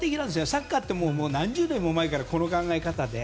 サッカーって何十年も前からこの考え方で。